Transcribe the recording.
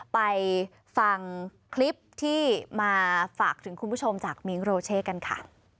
ไปฟังคลิปที่มาฝากถึงคุณผู้ชมจากมิ้งโรเช่กันค่ะ